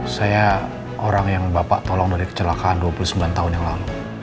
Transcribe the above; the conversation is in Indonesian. saya orang yang bapak tolong dari kecelakaan dua puluh sembilan tahun yang lalu